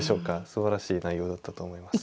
すばらしい内容だったと思います。